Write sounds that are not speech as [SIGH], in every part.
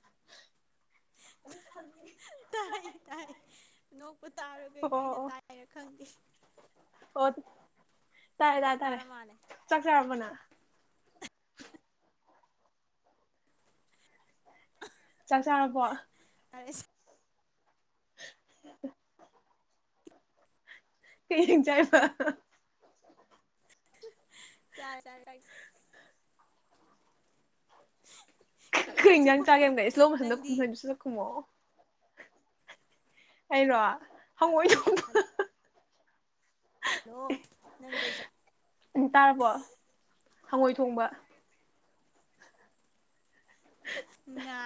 ꯑꯗꯨꯩꯅ ꯐ ꯇꯥꯏ ꯇꯥꯏ ꯅꯣꯛꯄ ꯇꯥꯔ ꯑꯣ ꯀꯩꯅꯣ ꯑꯩꯅ ꯑꯣ ꯇꯥꯏꯔ ꯈꯪꯗꯦ ꯑꯣ ꯇꯥꯔꯦ ꯑꯣ ꯇꯥꯔꯦ ꯇꯥꯔꯦ ꯇꯥꯔ ꯃꯥꯜꯂꯦ ꯆꯥꯛ ꯆꯔꯝꯕꯅ [UNINTELLIGIBLE] ꯆꯠ ꯆꯅꯄꯣ [UNINTELLIGIBLE] [UNINTELLIGIBLE] ꯊ ꯆꯔ ꯄ ꯆꯔꯦ ꯆ ꯉꯥ ꯑꯩꯣꯏ ꯏꯟꯖꯥꯡ ꯆꯥꯒꯦ ꯊꯣꯡꯕ ꯑꯃꯒ ꯏꯁꯂꯣ ꯃꯁꯟꯗ ꯅꯪꯗꯤ ꯈꯨꯝꯍꯩꯗꯨꯁꯨꯗ ꯈꯨꯝꯃꯛꯑꯣ ꯑꯩꯅꯣ ꯍ ꯑꯣꯏꯁꯨ ꯍꯜꯂꯣ ꯅ ꯀꯩ ꯆꯥ ꯍꯉꯣꯏ ꯊꯣꯡꯕ ꯉ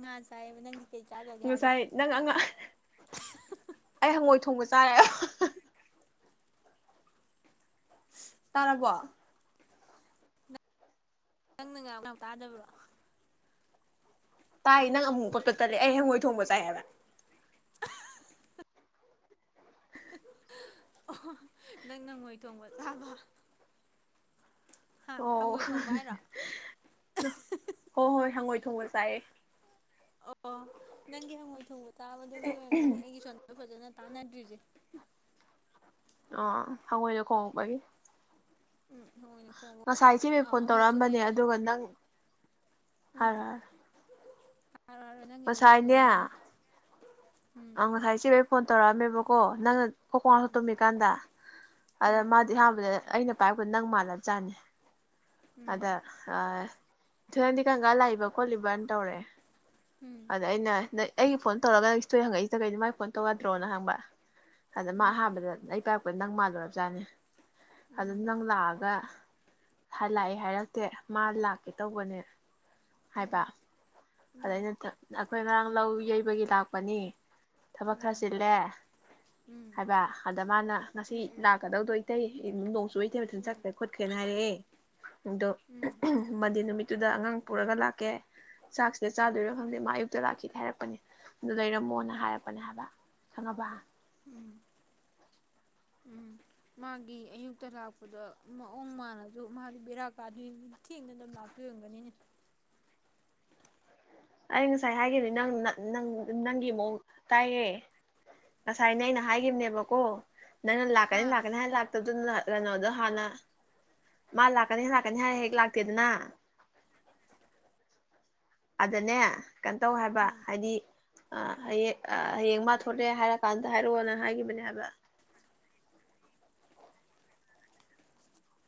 ꯃꯥ ꯆꯥꯏ ꯃ ꯅꯪ ꯉꯁꯥꯏ ꯅꯪ ꯑꯉ ꯑꯩ ꯍꯪꯉꯣꯏ ꯊꯣꯡꯕꯁ ꯆ ꯇꯥꯔꯔꯕꯣ ꯅꯪꯅ ꯉ ꯉꯥꯎ ꯇꯥꯗꯕ꯭ꯔꯣ ꯇꯥꯏ ꯅꯪ ꯑꯃꯨꯛ ꯄꯞ ꯆꯠꯇꯠꯔꯦ ꯑꯩ ꯍꯪꯉꯣꯏ ꯊꯣꯡꯕ ꯆꯥꯏꯑꯕ ꯅꯪꯅꯉꯣꯏ ꯊꯣꯡꯕ ꯆꯥꯕ ꯍꯥ ꯑꯣ ꯍꯪꯉꯣꯏ ꯊꯣꯡꯕ ꯍꯥꯏꯔꯣ ꯍꯣ ꯍꯣꯏ ꯍꯪꯉꯣꯏ ꯊꯣꯡꯉꯣꯏꯁ ꯇꯥꯏ ꯑꯣ ꯅꯪꯒꯤ ꯍꯪꯉꯣꯏ ꯊꯣꯡꯉꯣꯏ ꯇꯥꯕꯗꯨꯒꯤ ꯑꯣꯏꯔꯝꯒꯅꯤ ꯑꯩꯒꯤ ꯁꯝꯗ ꯐꯖꯅ ꯇꯥꯅꯠꯇ꯭ꯔꯤꯖꯦ ꯑ ꯍꯪꯣꯏꯗ ꯈꯣꯡꯉꯄꯒꯤ ꯎꯝ ꯍꯪꯉꯣꯏꯅ ꯈꯣꯡꯕ ꯉꯁꯥꯏ ꯏꯆꯦꯕ ꯑꯥ ꯐꯣꯟ ꯑꯃꯁꯨ ꯇꯧꯔꯛꯑꯝꯕꯅꯦ ꯂꯩꯔꯦ ꯑꯗꯨꯒ ꯅꯪ ꯍꯥꯏꯔꯔꯦ ꯑꯔꯔ ꯅꯪꯒꯤꯤꯗꯨꯗꯣꯏꯁꯂꯣꯅꯦꯅ ꯑ ꯉ ꯁꯥꯏꯁꯤꯕ ꯐꯣꯟ ꯇꯧꯔꯃꯦ ꯣꯀꯣ ꯅꯪꯅ ꯀꯀꯁꯨ ꯎꯝ ꯇꯨꯝꯃꯤꯀꯥꯟꯗ ꯑꯗ ꯎꯝ ꯃꯥꯗꯤ ꯑꯍꯥꯟꯕꯗ ꯑꯩꯅ ꯄꯥꯏꯕ ꯅꯪ ꯃꯥꯜꯂ ꯆꯥꯅꯤ ꯑꯗ ꯑ ꯊꯅꯗꯤ ꯀꯪꯀꯥ ꯂꯥꯛꯏꯕ ꯈꯣꯠꯂꯤꯕꯅ ꯇꯧꯔꯦ ꯑꯗꯥꯏꯅ ꯅ ꯑꯩꯒꯤ ꯐꯣꯟ ꯇꯧꯔꯒ ꯁꯣꯏ ꯍꯪꯉꯛꯏꯁꯤꯦ ꯀꯩꯩꯅ ꯃꯥꯏꯅ ꯐꯣꯟ ꯇꯧꯒꯗ꯭ꯔꯣꯅ ꯍꯪꯕ ꯑꯗ ꯃꯥ ꯍꯥꯟꯕꯗ ꯑꯩ ꯄ ꯑꯩꯣꯏ ꯅꯪ ꯃꯥꯜꯂꯨꯔꯖꯥꯅꯦ ꯑꯗꯨꯅ ꯅꯪ ꯂꯥꯛꯑꯒ ꯂꯥꯛꯑꯦ ꯍꯥꯏꯔꯛꯇꯦ ꯃꯥ ꯂꯥꯛꯀꯦ ꯇꯧꯕꯅꯦ ꯍꯥꯏꯕ ꯑꯗꯩꯅ ꯑꯩꯈꯣꯏ ꯉꯔꯥꯡ ꯂꯧ ꯌꯩꯕꯒꯤ ꯂꯥꯛꯄꯅꯤ ꯊꯕꯛ ꯈꯔ ꯆꯤꯜꯂꯦ ꯍꯥꯏꯕ ꯑꯗ ꯃꯥꯅ ꯉꯁꯤ ꯂꯥꯛꯀꯗꯧꯗꯣ ꯏꯇꯩ ꯅꯨꯡꯗꯣꯡꯁꯨ ꯏꯇꯩ ꯃꯊꯟ ꯆꯠꯈ꯭ꯔꯦ ꯈꯣꯠꯈ꯭ꯔꯦꯅ ꯍꯥꯏꯔꯛꯑꯦ ꯑꯗꯣ ꯃꯟꯗꯦ ꯅꯨꯃꯤꯠꯇꯨꯗ ꯑꯉꯥꯡ ꯄꯨꯔꯒ ꯂꯥꯛꯀꯦ ꯆꯥꯛꯁꯤꯗ ꯆꯥꯗꯣꯏꯔꯣ ꯈꯪꯗꯦ ꯃꯥ ꯑꯌꯨꯛꯇ ꯂꯥꯛꯈꯤꯗ ꯍꯥꯏꯔꯛꯄꯅꯦ ꯑꯗꯨ ꯂꯩꯔꯝꯃꯣꯅ ꯍꯥꯏꯔꯛꯄꯅꯦ ꯍꯥꯏꯕ ꯈꯪꯉꯕ ꯎꯝ ꯎꯝ ꯃꯥꯒꯤ ꯑꯌꯨꯛꯇ ꯂꯥꯛꯄꯗ ꯃꯑꯣꯡ ꯃꯥꯟꯜꯅꯁꯨ ꯃꯥꯗꯤ ꯕꯦꯔꯥ ꯀꯥꯗꯣꯏ ꯊꯦꯡꯅ ꯑꯗꯨ ꯂꯥꯛꯇꯣꯏꯔꯝꯒꯅꯤꯅꯦ ꯑꯩ ꯉꯁꯥꯏ ꯍꯥꯏꯈꯤꯕꯅꯤ ꯅꯪ ꯅꯪꯒꯤ ꯃꯑꯣꯡ ꯀꯥꯏꯌꯦꯦ ꯉꯁꯥꯏꯅꯦ ꯑꯩꯅ ꯍꯥꯏꯈꯤꯕꯅꯦꯕꯀꯣ ꯅꯪꯅ ꯍꯥ ꯂꯥꯛꯀꯅꯤ ꯂꯥꯛꯀꯅꯤ ꯍꯥꯏꯅ ꯂꯥꯛꯇꯕꯗꯨ ꯅꯅ ꯀꯩꯅꯣꯗꯣ ꯍꯥꯟꯅ ꯃꯥ ꯂꯥꯛꯀꯅꯤ ꯂꯥꯛꯀꯅꯤ ꯍꯥꯏꯔ ꯍꯦꯛ ꯂꯥꯛꯇꯦꯗꯅ ꯑꯗꯨꯗꯅꯦ ꯀꯩꯅꯣ ꯇꯧ ꯍꯥꯏꯕ ꯍꯥꯏꯗꯤ ꯑ ꯑꯌꯦꯦ ꯍꯡ ꯃꯥ ꯊꯣꯛꯂꯦ ꯍꯥꯏꯔꯛ ꯀꯀꯥꯟꯗ ꯍꯥꯏꯔꯛꯑꯣꯅ ꯍꯥꯏꯈꯤꯕꯅꯦ ꯍꯥꯏꯕ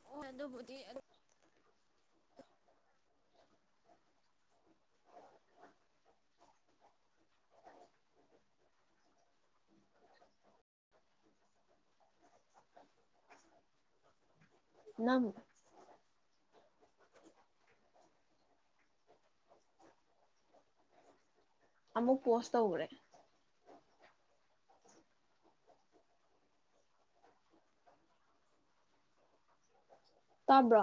ꯑꯣ ꯑꯗꯨꯕꯨꯗꯤ ꯅꯪ ꯑꯃꯃꯛ ꯄꯣꯁ ꯇ ꯎꯔꯦ ꯇꯥꯕ꯭ꯔꯣ